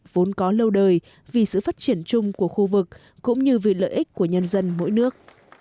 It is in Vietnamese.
vốn có lâu đời vì sự phát triển chung của khu vực cũng như vì lợi ích của nhân dân mỗi nước